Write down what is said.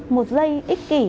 một giây ích kỷ